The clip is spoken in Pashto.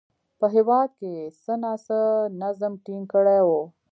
په هېواد کې یې څه ناڅه نظم ټینګ کړی و